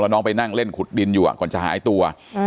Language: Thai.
น้องไปนั่งเล่นขุดดินอยู่ก่อนจะหายตัว